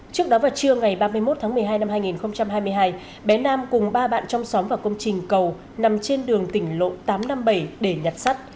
trước đó vào trưa ngày ba mươi một tháng một mươi hai năm hai nghìn hai mươi hai bé nam cùng ba bạn trong xóm và công trình cầu nằm trên đường tỉnh lộ tám trăm năm mươi bảy để nhặt sắt